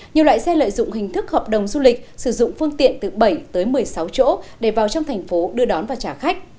nhiều loại xe lợi dụng hình thức hợp đồng du lịch sử dụng phương tiện từ bảy tới một mươi sáu chỗ để vào trong thành phố đưa đón và trả khách